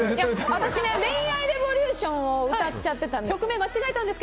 私「恋愛レボリューション」を歌っちゃってたんです。